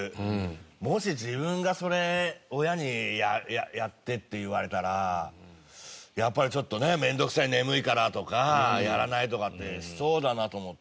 もし自分がそれ親に「やって」って言われたらやっぱりちょっとね面倒くさい眠いからとかやらないとかってしそうだなと思って。